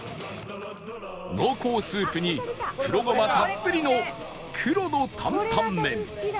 濃厚スープに黒ゴマたっぷりの黒の担々麺